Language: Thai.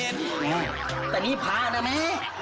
นี่แต่นี่พระนะแม่